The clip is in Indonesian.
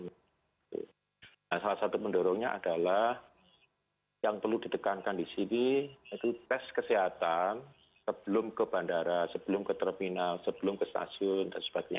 nah salah satu pendorongnya adalah yang perlu ditekankan di sini itu tes kesehatan sebelum ke bandara sebelum ke terminal sebelum ke stasiun dan sebagainya